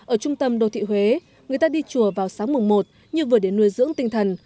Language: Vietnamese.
ở trung tâm đô thị huế người ta đi chùa vào sáng mùng một như vừa để nuôi dưỡng tinh thần